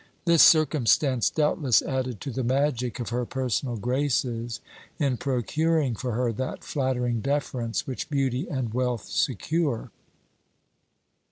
This circumstance, doubtless, added to the magic of her personal graces in procuring for her that flattering deference which beauty and wealth secure.